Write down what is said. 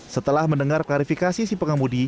setelah mendengar klarifikasi si pengemudi